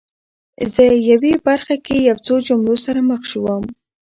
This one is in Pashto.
زه یوې برخه کې یو څو جملو سره مخ شوم